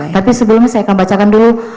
tapi sebelumnya saya akan bacakan dulu